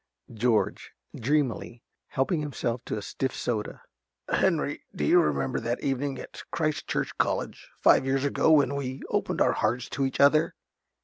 _ ~George~ (dreamily, helping himself to a stiff soda). Henry, do you remember that evening at Christ Church College, five years ago, when we opened our hearts to each other?...